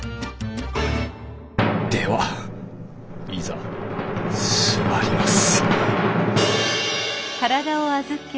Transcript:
ではいざ座ります！